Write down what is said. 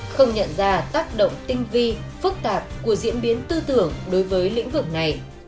không nhận ra tác động tinh vi phức tạp của diễn biến tư tưởng đối với lĩnh vực này